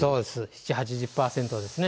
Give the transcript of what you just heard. ７、８０％ですね。